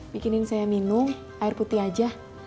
bikinin saya minum air putih aja